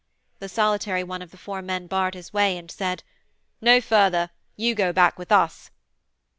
The solitary one of the four men barred his way, and said: 'No further! You go back with us!'